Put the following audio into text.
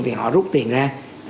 thì họ rút tiền ra